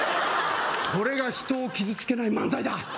これが人を傷つけない漫才だ！